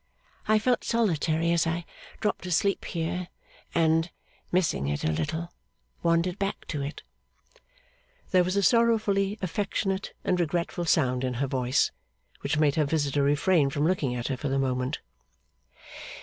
I felt solitary as I dropped asleep here, and, missing it a little, wandered back to it.' There was a sorrowfully affectionate and regretful sound in her voice, which made her visitor refrain from looking at her for the moment.